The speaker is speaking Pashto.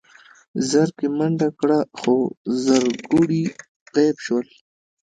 زرکې منډه کړه خو زرکوړي غيب شول.